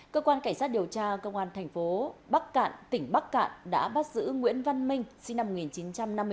cơ quan cảnh sát điều tra công an thành phố bắc cạn tỉnh bắc cạn đã bắt giữ nguyễn văn minh sinh năm một nghìn chín trăm năm mươi bốn